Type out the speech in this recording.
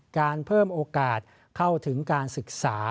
การเพิ่มโอกาสเข้าถึงการศึกษา